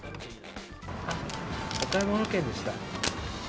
お買物券でした。